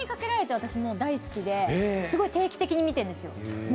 私も大好きですごい定期的に見てるんですよ。